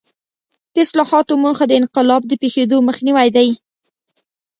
د اصلاحاتو موخه د انقلاب د پېښېدو مخنیوی دی.